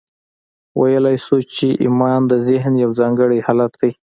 ویلای شو چې ایمان د ذهن یو ځانګړی حالت دی